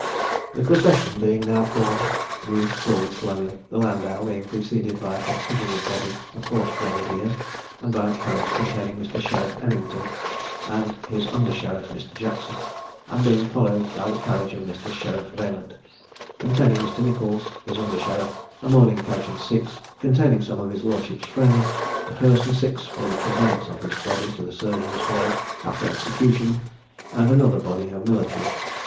The procession being now formed, moved forward slowly, the landau being preceded by a considerable body of horse grenadiers, and by a carriage containing Mr. Sheriff Errington, and his under sheriff, Mr. Jackson, and being followed by the carriage of Mr. Sheriff Vaillant, containing Mr. Nichols, his under sheriff, a mourning coach and six, containing some of his lordship's friends, a hearse and six for the conveyance of his body to Surgeon's Hall after execution, and another body of military.